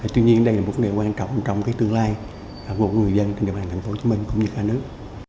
tuy nhiên đây là một nơi quan trọng trong cái tương lai của người dân trên đường hàng tp hcm cũng như cả nước